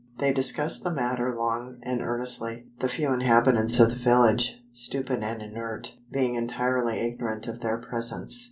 They discussed the matter long and earnestly, the few inhabitants of the village, stupid and inert, being entirely ignorant of their presence.